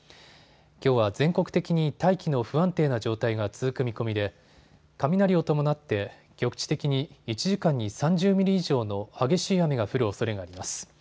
きょうは全国的に大気の不安定な状態が続く見込みで雷を伴って局地的に１時間に３０ミリ以上の激しい雨が降るおそれがあります。